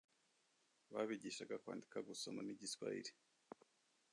Babigishaga kwandika, gusoma n'igiswahili.